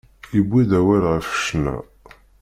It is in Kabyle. Yewwi-d awal ɣef ccna.